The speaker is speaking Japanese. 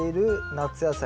夏野菜。